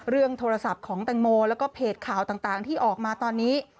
เรื่องโทรศัพท์ของแตงโมแล้วก็เพจข่าวต่างที่ออกมาตอนนี้